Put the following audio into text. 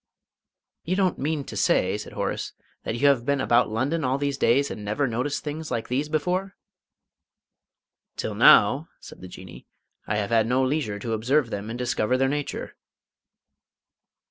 "You don't mean to say," said Horace, "that you have been about London all these days, and never noticed things like these before?" "Till now," said the Jinnee, "I have had no leisure to observe them and discover their nature."